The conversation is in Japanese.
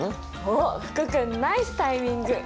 おっ福君ナイスタイミング！